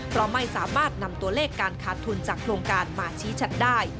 เพราะไม่สามารถนำตัวเลขการขาดทุนจากโครงการมาชี้ชัดได้